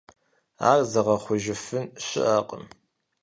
Ар зыгъэхъужыфын щыӀэкъым.